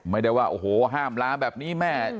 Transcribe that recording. ไม่ได้ว่าโอ้โหห้ามล้าแบบนี้แม่